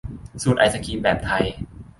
สูตรไอศกรีมแบบไทย